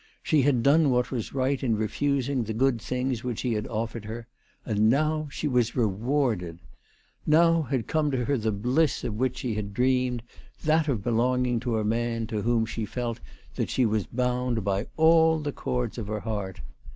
She had done what was right in refusing the good things which he had offered her, and now she was rewarded ! Now had come to her the bliss of which she had dreamed, that of belonging to a man to whom she felt that she was bound by all the chords of her heart.